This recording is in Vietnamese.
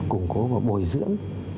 củng cố và bồi dưỡng